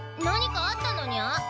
何かあったのにゃ？